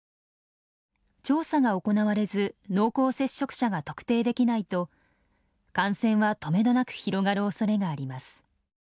調査が行われず濃厚接触者が特定できないと感染はとめどなく広がるおそれがあります。